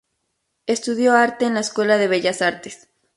Estudió arte en la Escuela de Bellas Artes.